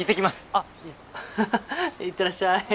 あっいえ行ってらっしゃい。